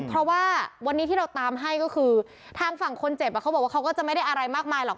เพราะว่าวันนี้ที่เราตามให้ก็คือทางฝั่งคนเจ็บเขาบอกว่าเขาก็จะไม่ได้อะไรมากมายหรอก